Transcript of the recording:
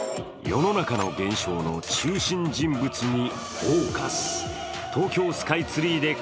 世の中の現象の中心人物に「ＦＯＣＵＳ」。